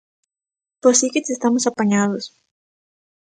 _Pois si que che estamos apañados.